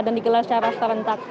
dan digelar secara serentak